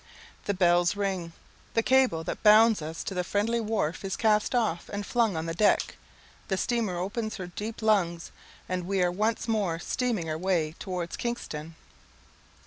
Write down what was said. The bell rings the cable that bound us to the friendly wharf is cast off and flung on the deck the steamer opens her deep lungs, and we are once more stemming our way towards Kingston.